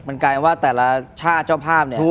มันกลายเป็นว่าแต่ละชาติเจ้าภาพ